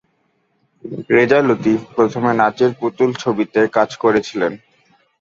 রেজা লতিফ প্রথমে নাচের পুতুল ছবিতে কাজ করেছিলেন।